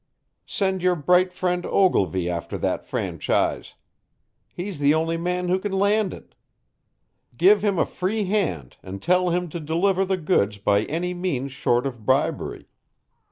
Send your bright friend Ogilvy after that franchise. He's the only man who can land it. Give him a free hand and tell him to deliver the goods by any means short of bribery.